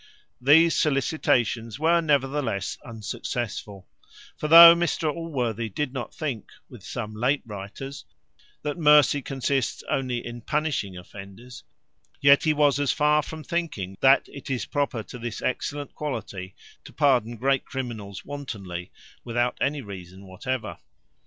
These solicitations were nevertheless unsuccessful: for though Mr Allworthy did not think, with some late writers, that mercy consists only in punishing offenders; yet he was as far from thinking that it is proper to this excellent quality to pardon great criminals wantonly, without any reason whatever.